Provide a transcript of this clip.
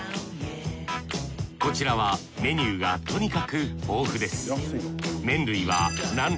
こちらはメニューがとにかく豊富です